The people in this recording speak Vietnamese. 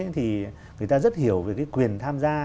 người ta rất hiểu về quyền tham gia